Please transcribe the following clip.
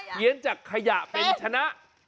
เขียนจากขยะเป็นชนะ